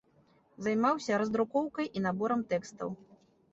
Займаўся раздрукоўкай і наборам тэкстаў.